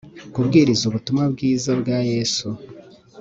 kubwiriza ubutumwa bwiza bwa yesu